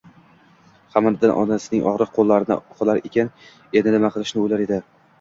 Qamariddin onasining oriq qo‘llarini uqalar ekan, endi nima qilishni o‘ylar edi